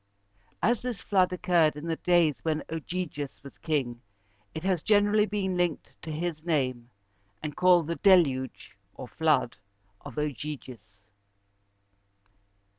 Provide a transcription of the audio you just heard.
As this flood occurred in the days when Og´y ges was king, it has generally been linked to his name, and called the Deluge (or flood) of Ogyges.